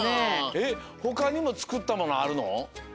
えっほかにもつくったものあるの？